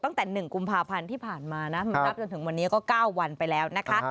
ตั้งแต่๑กุมภาพันธ์ที่ผ่านมานะนับจนถึงวันนี้ก็๙วันไปแล้วนะคะ